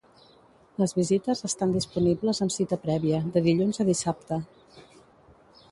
Les visites estan disponibles amb cita prèvia, de dilluns a dissabte.